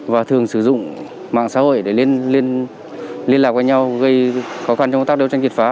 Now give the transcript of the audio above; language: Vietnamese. và thường sử dụng mạng xã hội để liên lạc với nhau gây khó khăn trong công tác đấu tranh kiệt phá